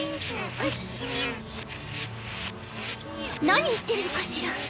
何言ってるのかしら？